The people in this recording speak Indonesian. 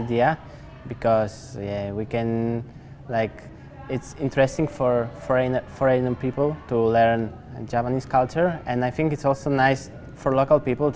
dan saya pikir ini juga bagus bagi orang asing untuk melihat bahwa